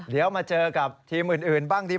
เดี๋ยวมาเจอกับทีมอื่นบ้างดี